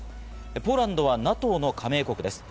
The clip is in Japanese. ポーランドはＮＡＴＯの加盟国です。